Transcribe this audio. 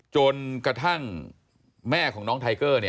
จนกระทั่งแม่ของน้องไทเกอร์